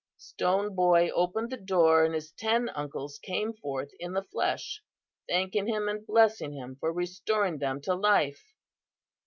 Stone Boy opened the door and his ten uncles came forth in the flesh, thanking him and blessing him for restoring them to life.